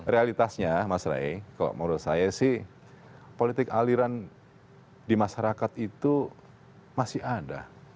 realitasnya mas ray kalau menurut saya sih politik aliran di masyarakat itu masih ada